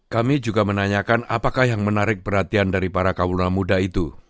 kami juga menanyakan apakah yang menarik perhatian dari para kaum muda itu